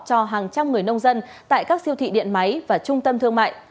cho hàng trăm người nông dân tại các siêu thị điện máy và trung tâm thương mại